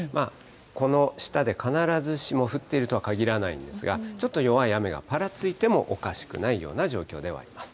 この下で必ずしも降っているとは限らないんですが、ちょっと弱い雨がぱらついてもおかしくないような状況ではあります。